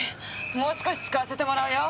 もう少し使わせてもらうよ。